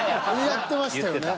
やってましたよね。